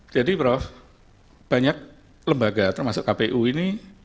prof banyak lembaga termasuk kpu ini